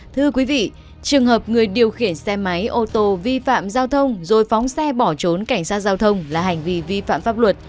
thưa quý vị trường hợp người điều khiển xe máy ô tô vi phạm giao thông rồi phóng xe bỏ trốn cảnh sát giao thông là hành vi vi phạm pháp luật